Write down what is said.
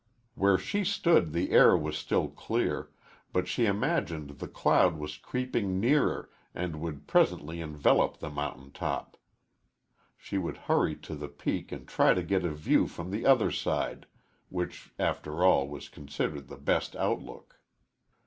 Where she stood the air was still clear, but she imagined the cloud was creeping nearer and would presently envelop the mountain top. She would hurry to the peak and try to get a view from the other side, which after all was considered the best outlook.